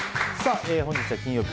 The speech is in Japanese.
本日は金曜日。